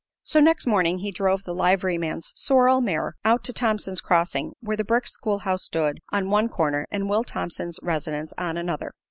So next morning he drove the liveryman's sorrel mare out to Thompson's Crossing, where the brick school house stood on one corner and Will Thompson's residence on another.